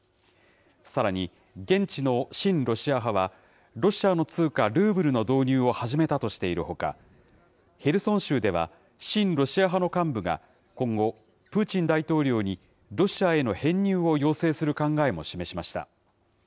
さらに、現地の親ロシア派は、ロシアの通貨ルーブルの導入を始めたとしているほか、ヘルソン州では、親ロシア派の幹部が今後、プーチン大統領にロシアへの編入を要請する考えも示しました。